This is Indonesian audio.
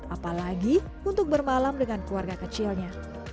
apalagi untuk bermalam dengan keluarga kecilnya